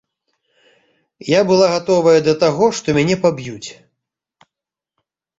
Я была гатовая да таго, што мяне паб'юць.